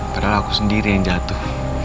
padahal aku sendiri yang jatuh